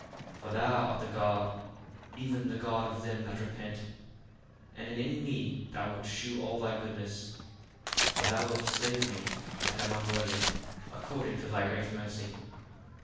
For thou art the God, even the God of them that repent; and in me thou wilt shew all thy goodness: for thou wilt save me, that am unworthy, according to thy great mercy.